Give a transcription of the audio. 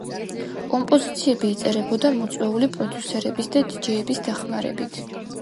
კომპოზიციები იწერებოდა მოწვეული პროდიუსერების და დიჯეების დახმარებით.